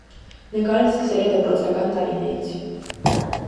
Նկարել սկսել է դպրոցական տարիներից։